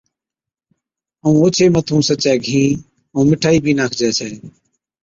ائُون اوڇي مٿُون سچَي گھِين ائُون مٺائِي بِي ناکجَي ڇَي